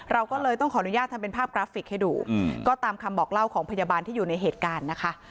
เราก็เลยต้องขออนุญาตทำเป็นภาพกราฟิกให้ดูก็ตามคำบอกเล่าของพยาบาลที่อยู่ในเหตุการณ์นะคะ